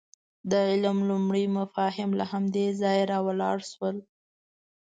د علم لومړني مفاهیم له همدې ځایه راولاړ شول.